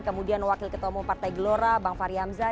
kemudian wakil ketua umum partai gelora bang fahri hamzah